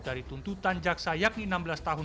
dari tuntutan jaksa yakni enam belas tahun